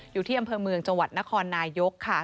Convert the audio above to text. อยู่ที่อำเภอเมืองจังหวัดนครนายกค่ะ